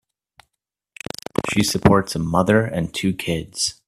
She supports a mother and two kids.